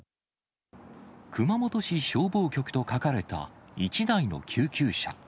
熊本市消防局と書かれた１台の救急車。